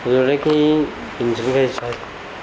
rồi lấy cái hình sản khai xài